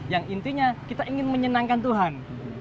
yang intinya kita ingin menyenangkan tuhan